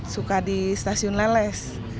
suka di stasiun leles